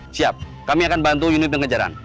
siap kami akan bantu unit pengejaran